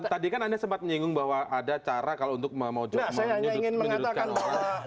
tadi kan anda sempat menyinggung bahwa ada cara kalau untuk menyudutkan orang